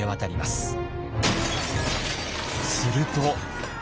すると。